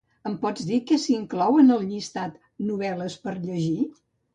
Em pots dir què s'inclou en el llistat "novel·les per llegir"?